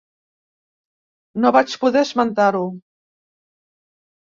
No vaig poder esmentar-ho.